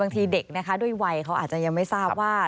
บางที่เด็กนะคะด้วยวัยเขายังไม่ทราบว่า